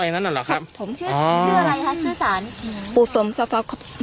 ไอ้นั้นหรอครับผมชื่อชื่ออะไรคะชื่อสารอ๋อปู่โสมเฝ้าทรัพย์